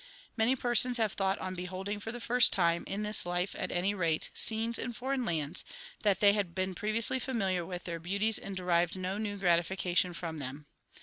Many persons have thought on beholding for the first time, in this life at any rate, scenes in foreign lands, that they had been previously familiar with their beauties and derived no new gratification from them.